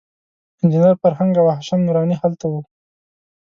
انجینر فرهنګ او هاشم نوراني هلته وو.